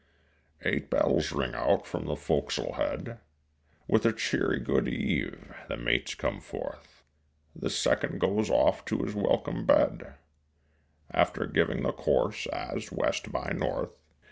Eight bells ring out from the fo'c'sle head; With a cheery good eve the mate comes forth, The second goes off to his welcome bed, After giving the course as west by north.